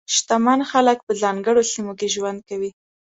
شتمن خلک په ځانګړو سیمو کې ژوند کوي.